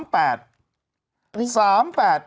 เป็นเลข๓๘